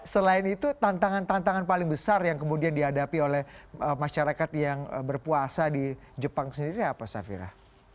selain itu tantangan tantangan paling besar yang kemudian dihadapi oleh masyarakat yang berpuasa di jepang sendiri apa safira